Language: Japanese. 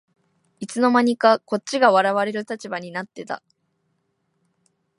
いつの間にかこっちが笑われる立場になってた